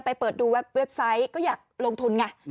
เปิดดูเว็บไซต์ก็อยากลงทุนไง